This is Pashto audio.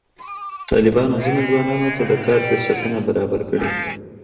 طالبانو ځینو ځوانانو ته د کار فرصتونه برابر کړي.